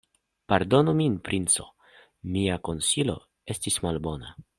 Pardonu min, princo: Mia konsilo estis malbona.